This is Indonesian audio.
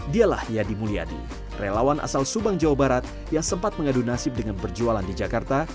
dialah yadi mulyadi relawan asal subang jawa barat yang sempat mengadu nasib dengan berjualan di jakarta